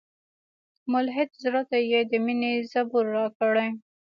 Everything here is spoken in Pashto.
ملحد زړه ته یې د میني زبور راکړی